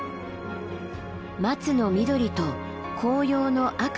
松の緑と紅葉の赤と黄色。